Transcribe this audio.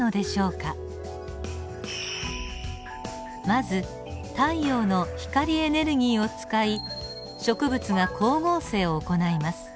まず太陽の光エネルギーを使い植物が光合成を行います。